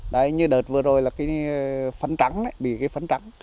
đấy như đợt vừa rồi là cái phấn trắng bị cái phấn trắng